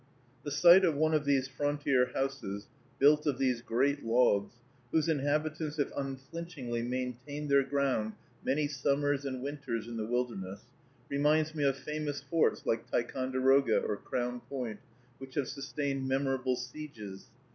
The sight of one of these frontier houses, built of these great logs, whose inhabitants have unflinchingly maintained their ground many summers and winters in the wilderness, reminds me of famous forts, like Ticonderoga or Crown Point, which have sustained memorable sieges.